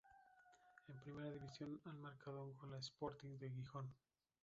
En primera división ha marcado un gol al Sporting de Gijón.